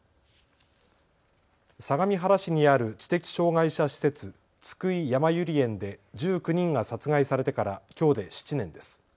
相模原市にある知的障害者施設、津久井やまゆり園で１９人が殺害されてからきょうで７年です。